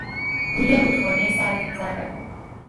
روی رودخانهای سد زدن